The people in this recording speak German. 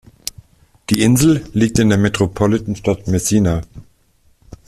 Die Insel liegt in der Metropolitanstadt Messina.